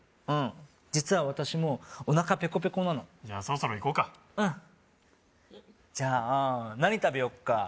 うん実は私もおなかペコペコなのじゃそろそろ行こうかうんじゃ何食べよっか？